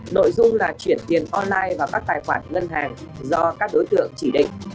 nội dung là chuyển tiền online vào các tài khoản ngân hàng do các đối tượng chỉ định